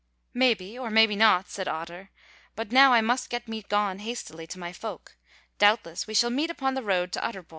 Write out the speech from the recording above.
"Maybe, or maybe not," said Otter; "but now I must get me gone hastily to my folk; doubtless we shall meet upon the road to Utterbol."